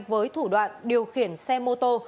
với thủ đoạn điều khiển xe mô tô